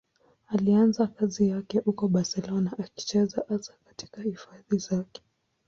Alianza kazi yake huko Barcelona, akicheza hasa katika hifadhi zake.